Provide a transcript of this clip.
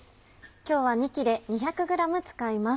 今日は２切れ２００ｇ使います。